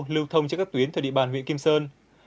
lưu thông trên các tuyến từ địa bàn huyện kim sơn